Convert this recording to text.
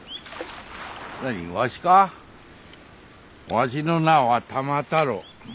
わしの名は玉太郎。